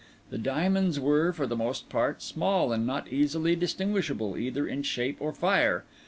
The diamonds were, for the most part, small, and not easily distinguishable either in shape or fire.